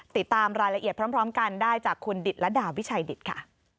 ติดตามรายละเอียดพร้อมกันได้จากคุณดิตระดาวิชัยดิตค่ะ